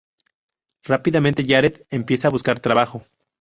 Rápidamente Jared empieza a buscar trabajo.